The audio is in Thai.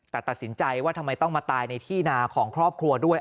แต่ตัดสินใจว่าทำไมต้องมาตายในที่นาของครอบครัวด้วย